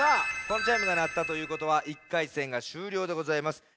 このチャイムがなったということは１回戦がしゅうりょうでございます。